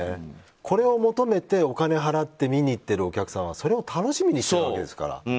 これを求めて、お金を払って見に行っているお客さんはそれを楽しみにしてるわけですから。